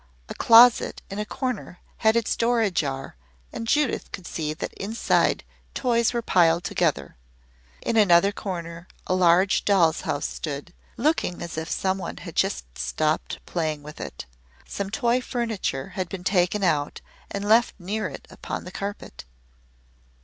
A closet in a corner had its door ajar and Judith could see that inside toys were piled together. In another corner a large doll's house stood, looking as if some one had just stopped playing with it. Some toy furniture had been taken out and left near it upon the carpet.